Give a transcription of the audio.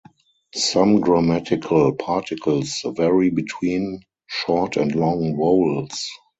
Some grammatical particles vary between short and long vowels.